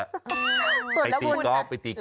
แล้วคุณนี่ตีก๊อบลองลอง